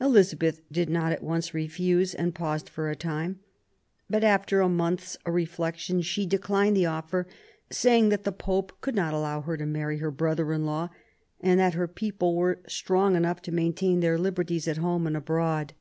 Elizabeth did not at once refuse, and paused for a time ; but, after a month's reflection, she declined the offer saying that the Pope would not allow her to marry her brother in law, and that her people were strong enough to maintain their liberties at home and abroad.